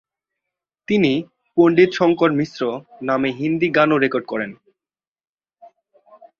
তিনি ‘পণ্ডিত শঙ্কর মিশ্র’ নামে হিন্দি গানও রেকর্ড করেন।